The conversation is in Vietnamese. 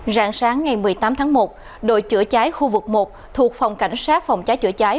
rạng sáng ngày một mươi tám tháng một đội chữa trái khu vực một thuộc phòng cảnh sát phòng trái chữa trái